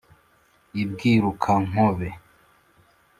i bwiruka–nkobe